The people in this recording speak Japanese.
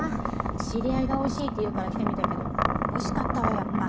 知り合いがおいしいって言うから来てみたけどおいしかったわやっぱ。